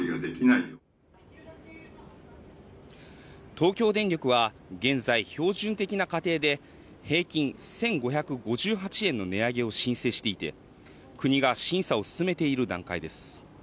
東京電力は、現在標準的な家庭で平均１５５８円の値上げを申請していて、国が審査を進めている段階です。